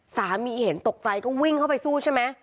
สามีเห็นตกใจก็วิ่งเข้าไปสู้ใช่ไหม